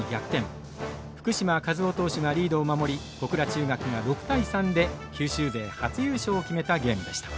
福嶋一雄投手がリードを守り小倉中学が６対３で九州勢初優勝を決めたゲームでした。